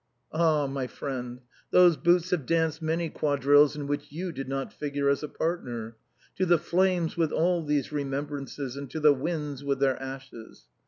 Ah ! my friend, those boots have danced many quadrilles in which you did not figure as a partner. To the flames with all these remembrances, and to the winds with their ashes.